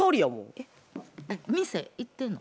えっ店行ってんの？